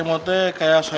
iya kenapa udah